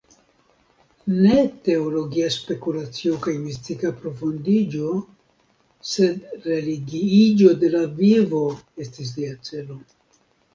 Ne teologia spekulacio kaj mistika profundiĝo, sed religiiĝo de la vivo estis lia celo.